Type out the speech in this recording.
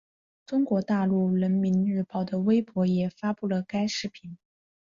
中国大陆人民日报的微博也发布了该视频。